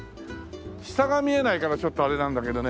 下が見えないからちょっとあれなんだけどね